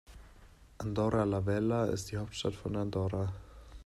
Andorra la Vella ist die Hauptstadt von Andorra.